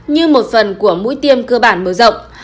như một phần của mũi tiêm cơ bản mở rộng